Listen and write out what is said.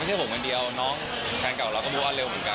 ไม่ใช่ผมคนเดียวน้องแฟนเก่าเราก็บูอันเร็วเหมือนกัน